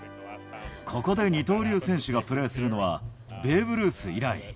ここで二刀流選手がプレーするのはベーブ・ルース以来。